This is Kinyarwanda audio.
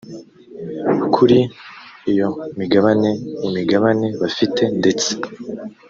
kuri iyo migabane imigabane bafite ndetse